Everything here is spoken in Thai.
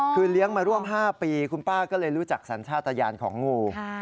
คือเลี้ยงมาร่วม๕ปีคุณป้าก็เลยรู้จักสัญชาติยานของงู